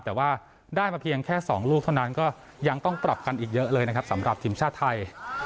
แต่ว่าได้มาเพียงแค่๒ลูกเท่านั้นก็ยังต้องปรับกันอีกเยอะเลยนะครับสำหรับทีมชาติไทย